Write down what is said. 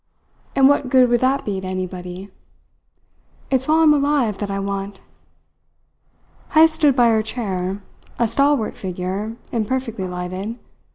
And what good would that be to anybody? It's while I am alive that I want " Heyst stood by her chair, a stalwart figure imperfectly lighted.